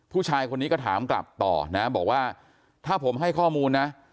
ผู้ชายคนนี้ก็ถามกลับต่อนะบอกว่าถ้าผมให้ข้อมูลนะ